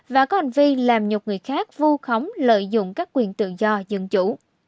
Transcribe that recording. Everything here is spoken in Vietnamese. và có hành vi làm nhục người khác vu khống lợi dụng các quyền tự do dân chủ